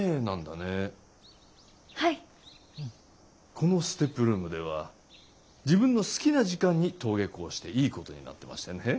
このＳＴＥＰルームでは自分の好きな時間に登下校していいことになってましてね。